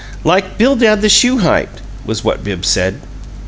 "Like Bildad the Shuhite!" was what Bibbs said.